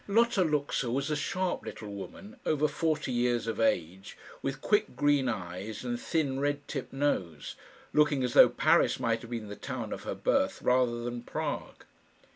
Lotta Luxa was a sharp little woman, over forty years of age, with quick green eyes and thin red tipped nose, looking as though Paris might have been the town of her birth rather than Prague.